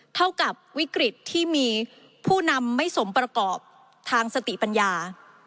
เท่ากับวิกฤตที่มีผู้นำไม่สมประกอบทางสติปัญญา